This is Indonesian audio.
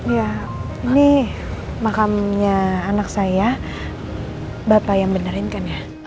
ya ini makamnya anak saya bapak yang benerinkan ya